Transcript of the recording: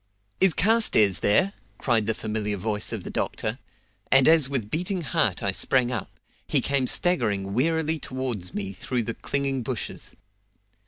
"Is Carstairs there?" cried the familiar voice of the doctor, and as with beating heart I sprang up, he came staggering wearily towards me through the clinging bushes.